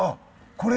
これ？